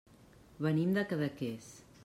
Venim de Cadaqués.